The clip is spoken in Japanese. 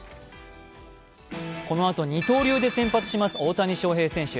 このあと二刀流で先発しました大谷翔平選手。